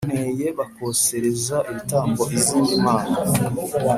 kuko bantaye bakosereza ibitambo izindi mana